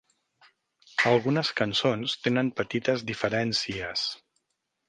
Algunes cançons tenen petites diferències.